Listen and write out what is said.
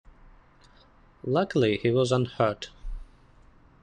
Luckily, he was unhurt.